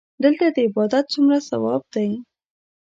دلته د عبادت څومره ثواب دی.